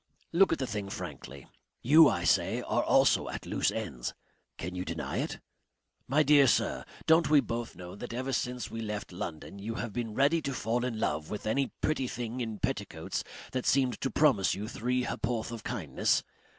Look at the thing frankly. You, I say, are also at loose ends. Can you deny it? My dear sir, don't we both know that ever since we left London you have been ready to fall in love with any pretty thing in petticoats that seemed to promise you three ha'porth of kindness.